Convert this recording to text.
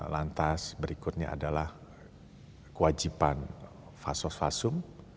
lantas berikutnya adalah kewajiban fasos fasum